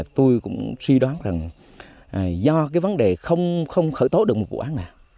tuy đoán rằng do cái vấn đề không khởi tố được một vụ án nào